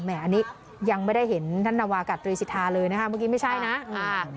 อันนี้ยังไม่ได้เห็นท่านนวากาตรีสิทธาเลยนะคะเมื่อกี้ไม่ใช่นะค่ะ